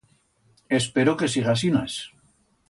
Espero que siga asinas.